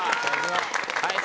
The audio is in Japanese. はい。